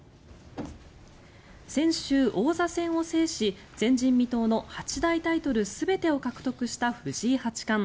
先週、王座戦を制し前人未到の八大タイトル全てを獲得した藤井八冠。